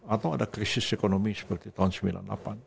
atau ada krisis ekonomi seperti tahun sembilan puluh delapan